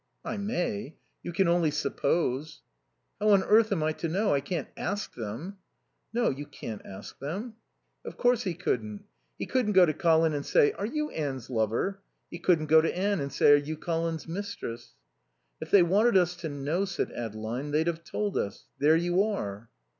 "I may. You can only suppose " "How on earth am I to know? I can't ask them." "No, you can't ask them." Of course he couldn't. He couldn't go to Colin and say, "Are you Anne's lover?" He couldn't go to Anne and say, "Are you Colin's mistress?" "If they wanted us to know," said Adeline, "they'd have told us. There you are."